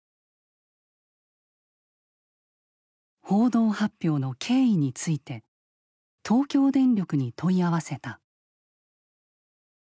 報道発表の経緯について東京電力に問い合わせた。